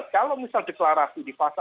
kalau misal deklarasi di fase